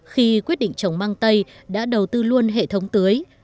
khi quyết định trồng măng tây đã đầu tư luôn hệ thống tưới